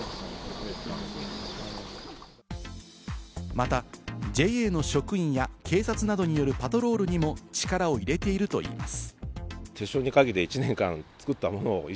また、ＪＡの職員や警察などによるパトロールにも力を入れているといいます。